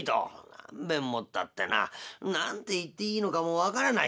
「何べんもったってな何て言っていいのかも分からないよ」。